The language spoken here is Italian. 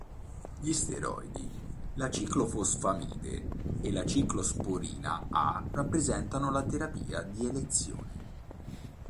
Gli steroidi, la ciclofosfamide e la ciclosporina A rappresentano la terapia di elezione.